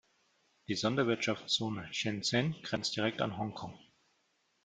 Die Sonderwirtschaftszone Shenzhen grenzt direkt an Hongkong.